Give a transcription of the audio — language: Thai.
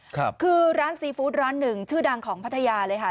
ครับคือร้านซีฟู้ดร้านหนึ่งชื่อดังของพัทยาเลยค่ะ